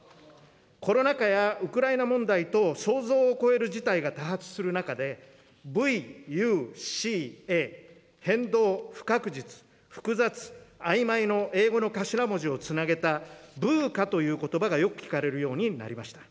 コロナ禍やウクライナ問題等、想像を超える事態が多発する中で、Ｖ・Ｕ・Ｃ・Ａ、変動、不確実、複雑、曖昧の英語の頭文字をつなげたＶＵＣＡということばが、よく聞かれるようになりました。